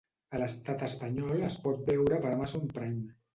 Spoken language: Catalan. A l'Estat espanyol es pot veure per Amazon Prime.